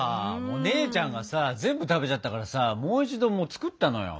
姉ちゃんがさ全部食べちゃったからさもう一度作ったのよ。